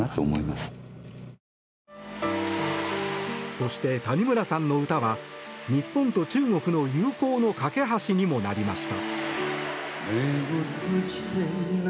そして、谷村さんの歌は日本と中国の友好の懸け橋にもなりました。